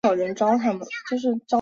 而师云砵桥一段为四线双程。